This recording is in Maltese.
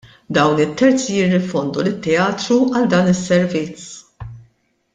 Dawn it-terzi jirrifondu lit-teatru għal dan is-servizz.